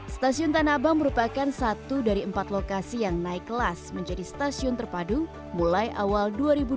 stasiun tanah abang merupakan satu dari empat lokasi yang naik kelas menjadi stasiun terpadu mulai awal dua ribu dua puluh